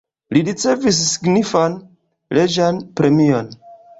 Li ricevis signifan reĝan premion.